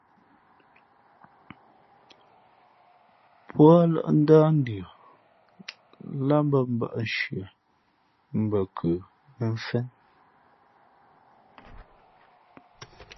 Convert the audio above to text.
Póalᾱʼ ndáh ndʉα láhmbᾱʼnshieʼ bα nkə mᾱ mfén.